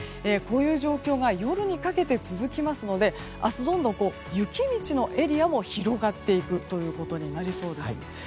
こういう状況が夜にかけて続きますので明日、どんどん雪道のエリアも広がっていくことになりそうです。